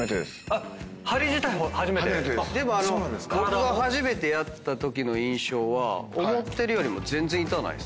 鍼自体も初めて⁉僕が初めてやったときの印象は思ってるよりも全然痛ないです。